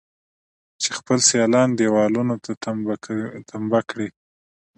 چې خپل سيالان دېوالونو ته تمبه کړي.